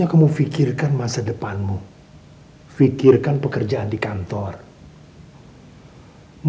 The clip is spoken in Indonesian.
itu kan namanya egois toh